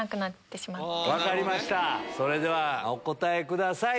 それではお答えください。